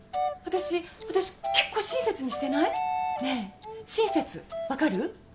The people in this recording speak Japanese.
私私けっこう親切にしてない？ねえ親切わかる？